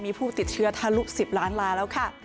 สิทธิ์เชื้อทะลุ๑๐ล้านลายแล้วค่ะ